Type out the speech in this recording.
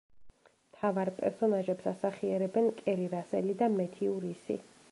მთავარ პერსონაჟებს ასახიერებენ კერი რასელი და მეთიუ რისი.